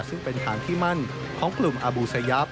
ซึ่งเป็นทางที่มั่นของกลุ่มอบุษยาพ